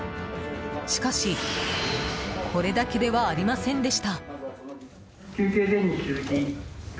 しかしこれだけではありませんでした。